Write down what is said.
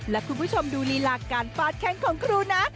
และคุณผู้ชมดูลีลาการฟาดแข้งของครูนะ